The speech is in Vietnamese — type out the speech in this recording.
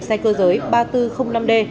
xe cơ giới ba nghìn bốn trăm linh năm d